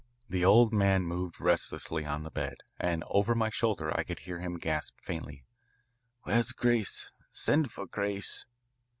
The old man moved restlessly on the bed, and over my shoulder I could hear him gasp faintly, "Where's Grace? Send for Grace."